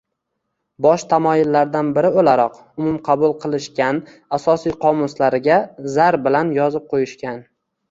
bosh tamoyillardan biri o‘laroq umumqabul qilishgan, asosiy qomuslariga zar bilan yozib qo‘yishgan.